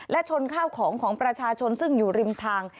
และชนข้าวของของประชาชนซึ่งอยู่ริมทาง